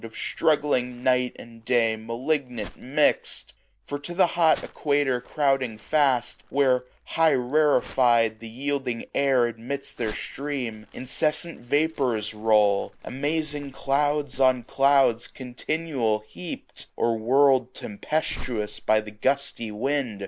Of struggling night and day malignant mix'd ! For to the hot equator crouding fast. Where, highly rarefy *d, the yielding air Admits their stream, incessant vapours roll, 790 Amazing clouds on clouds continual heap'd ; Or whirled tempestuous by the gusty wind.